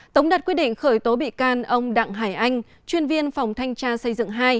tống đặt quyết định khởi tố bị can ông đặng hải anh chuyên viên phòng thanh tra xây dựng hai